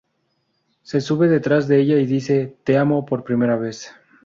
Se sube detrás de ella y dice "Te amo" por primera vez.